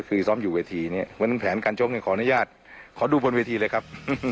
คือซ้อมอยู่เวทีเนี่ยวันนั้นแผนการชกเนี่ยขออนุญาตขอดูบนเวทีเลยครับ